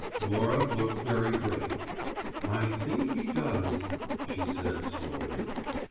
Laura looked very grave. "I think he does," she said slowly.